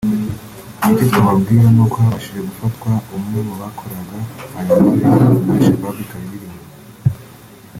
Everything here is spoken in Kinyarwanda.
Icyo twababwira nuko habashije gufatwa umwe mubakoraga aya mabi’ Al Shabab ikaba ibiri inyuma